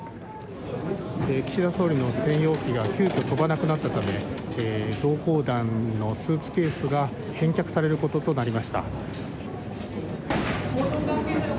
岸田総理の専用機が急きょ、飛ばなくなったため同行団のスーツケースが返却されることとなりました。